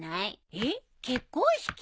えっ結婚式？